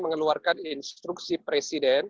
mengeluarkan instruksi presiden